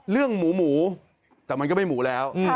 เรื่องหมูแต่มันก็ไม่หมูแล้ว